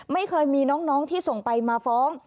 ไม่เคยมีน้องที่ส่งไปมาฟ้อง